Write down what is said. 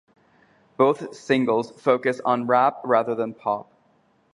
Both singles focused on rap rather than pop.